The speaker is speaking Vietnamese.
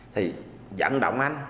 thì dẫn động anh